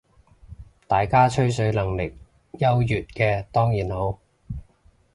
大家吹水能力優越嘅當然好